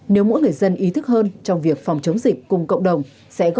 nếu mỗi người dân ý thức hơn trong việc phòng chống dịch cùng cộng đồng